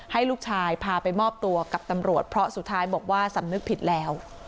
ให้ลูกชายพาไปมอบตัวกับตำรวจเพราะสุดท้ายบอกว่าสำนึกผิดแล้ว